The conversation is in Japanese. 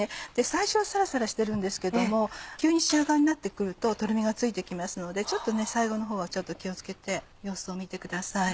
最初はサラサラしてるんですけども急に仕上がりになって来るととろみがついて来ますのでちょっと最後のほうは気を付けて様子を見てください。